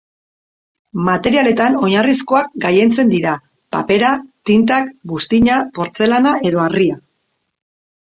Materialetan oinarrizkoak gailentzen dira: papera, tintak, buztina, portzelana edo harria.